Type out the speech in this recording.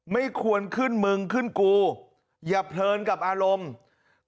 ไม่ควรขึ้นมึงขึ้นกูอย่าเพลินกับอารมณ์